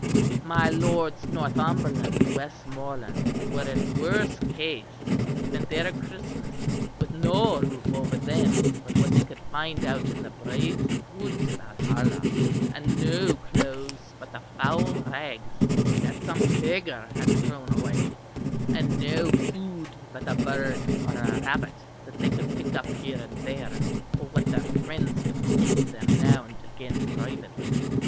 My Lords Northumberland and Westmoreland were in worse case, and spent their Christmas with no roof over them but what they could find out in the braes and woods about Harlaw, and no clothes but the foul rags that some beggar had thrown away, and no food but a bird or a rabbit that they could pick up here and there, or what their friends could get to them now and again privately.